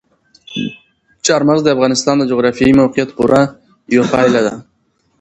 چار مغز د افغانستان د جغرافیایي موقیعت پوره یوه پایله ده.